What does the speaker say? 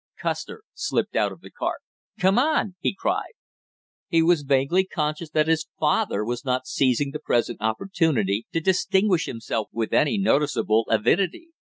Custer slipped out of the cart. "Come on!" he cried. He was vaguely conscious that his father was not seizing the present opportunity to distinguish himself with any noticeable avidity.